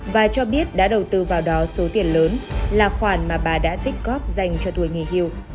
và cho biết đã đầu tư vào đó số tiền lớn là khoản mà bà đã tích góp dành cho tuổi nghỉ hưu